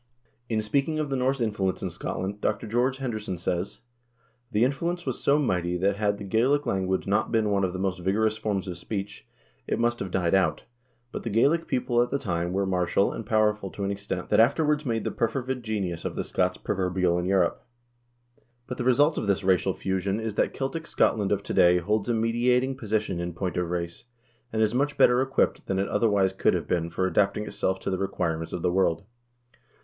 In speaking of the Norse influence in Scotland Dr. George Henderson says :" The influence was so mighty that had the Gaelic language not been one of the most vigorous forms of speech, it must have died out ; but the Gaelic people at the time were martial and power ful to an extent that afterwards made the perfervid genius of the Scots proverbial in Europe. But the result of this racial fusion is that Celtic Scotland of to day holds a mediating position in point of race, and is much better equipped than it otherwise could have been for adapting itself to the requirements of the world.